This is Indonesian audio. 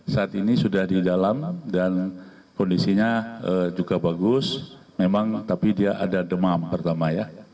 saat ini sudah di dalam dan kondisinya juga bagus memang tapi dia ada demam pertama ya